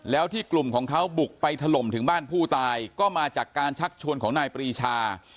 แล้วที่กลุ่มของเขาบุกไปถล่มถึงบ้านผู้ตายก็มาจากการชักชวนของนายปรีชา